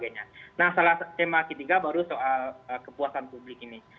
nah salah tema ketiga baru soal kepuasan publik ini